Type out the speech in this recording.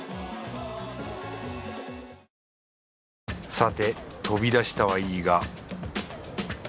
さて飛び出したはいいが